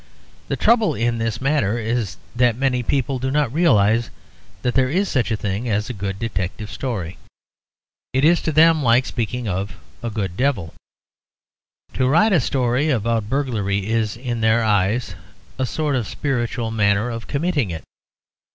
The trouble in this matter is that many people do not realize that there is such a thing as a good detective story; it is to them like speaking of a good devil. To write a story about a burglary is, in their eyes, a sort of spiritual manner of committing it.